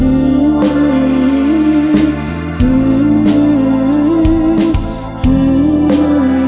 ฮือ